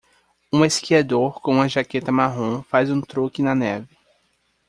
Um esquiador com uma jaqueta marrom faz um truque na neve.